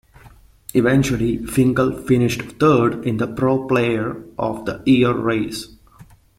Eventually Finkel finished third in the Pro Player of the Year race.